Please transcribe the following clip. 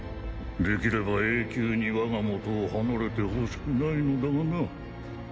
できれば永久に我がもとを離れてほしくないのだがな。